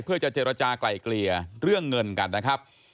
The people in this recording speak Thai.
เพื่อจะเจรจากลายเกลี่ยเรื่องเงินกันนะครับ